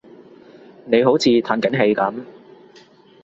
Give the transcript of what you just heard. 你好似歎緊氣噉